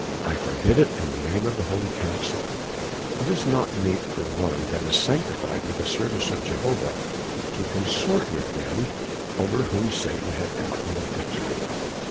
"I forbid it in the name of the holy council; it is not meet for one that is sanctified to the service of Jehovah to consort with them over whom Satan hath gotten the victory.